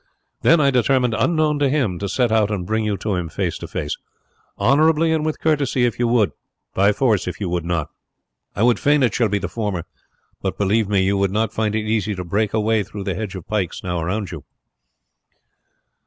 Then I determined, unknown to him, to set out and bring you to him face to face honourably and with courtesy if you would, by force if you would not. I would fain it shall be the former; but believe me, you would not find it easy to break away through the hedge of pikes now around you."